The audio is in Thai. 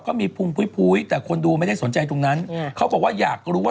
ก็มีพุงพุ้ยพุ้ยแต่คนดูไม่ได้สนใจตรงนั้นเขาบอกว่าอยากรู้ว่า